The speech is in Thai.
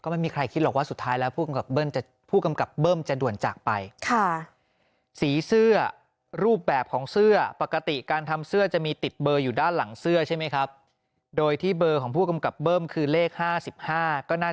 หยุดหยุดหยุดหยุดหยุดหยุดหยุดหยุดหยุดหยุดหยุดหยุดหยุดหยุด